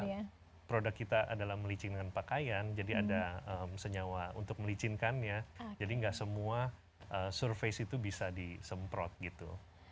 karena produk kita adalah meleaching dengan pakaian jadi ada senyawa untuk melicinkannya jadi nggak semua surface itu bisa disemprot gitu